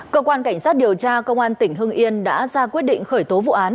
cơ quan cảnh sát điều tra công an tỉnh hưng yên đã ra quyết định khởi tố vụ án